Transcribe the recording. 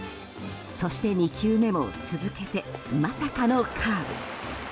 そして２球目も続けてまさかのカーブ。